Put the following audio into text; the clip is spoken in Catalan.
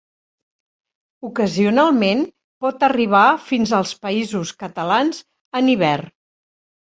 Ocasionalment pot arribar fins als Països Catalans en hivern.